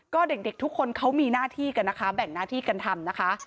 ก็เด็กทุกคนเขามีหน้าที่กันนะคะแบ่งหน้าที่กันทำนะคะ